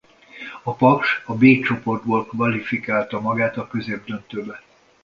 A Paks a B csoportból kvalifikálta magát a középdöntőbe.